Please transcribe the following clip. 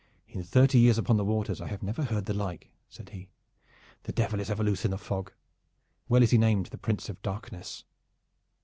"In thirty years upon the waters I have never heard the like," said he. "The Devil is ever loose in a fog. Well is he named the Prince of Darkness."